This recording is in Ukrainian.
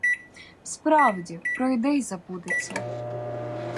Справді, пройде й забудеться.